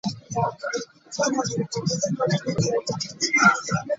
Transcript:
Ddala ab'enkwe tuyita nabo.